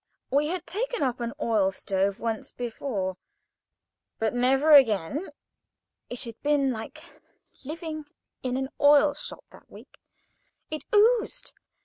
We had taken up an oil stove once, but "never again." It had been like living in an oil shop that week. It oozed.